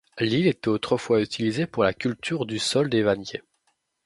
L'île était autrefois utilisée pour la culture du saule des vanniers.